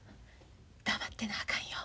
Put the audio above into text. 黙ってなあかんよ。